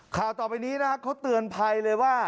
ข่าวต่อไปนี้นะครับเขาเตือนภัยเลยว่า